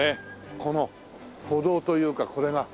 この歩道というかこれが。